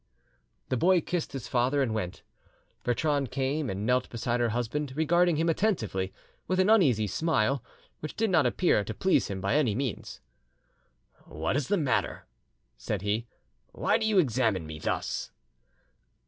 The boy kissed his father and went. Bertrande came and knelt beside her husband, regarding him attentively with an uneasy smile, which did not appear to please him by any means. "What is the matter?" said he. "Why do you examine me thus?"